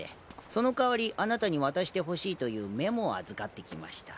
その代わりあなたに渡してほしいというメモを預かってきました。